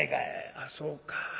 「あそうか。